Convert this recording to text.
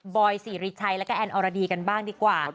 อยสิริชัยแล้วก็แอนอรดีกันบ้างดีกว่า